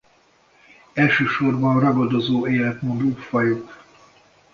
Elsősorban ragadozó életmódú fajok.